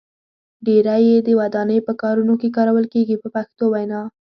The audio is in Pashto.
ډیری یې د ودانۍ په کارونو کې کارول کېږي په پښتو وینا.